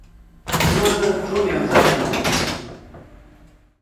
نازانم چۆنیان زانیبوو.